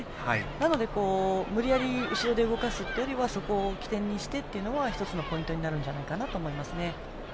なので、無理やり後ろで動かすというよりはそこを起点にしてというのは１つのポイントになると思います。